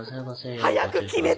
早く決めて。